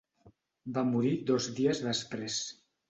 Va morir dos dies després.